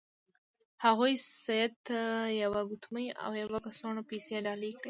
هغوی سید ته یوه ګوتمۍ او یوه کڅوړه پیسې ډالۍ کړې.